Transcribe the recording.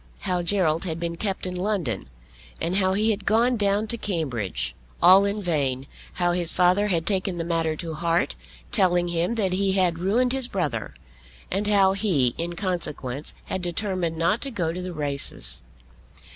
How Gerald had been kept in London, and how he had gone down to Cambridge, all in vain; how his father had taken the matter to heart, telling him that he had ruined his brother; and how he, in consequence, had determined not to go to the races.